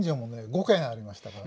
５軒ありましたから。